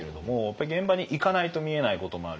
現場に行かないと見えないこともあるし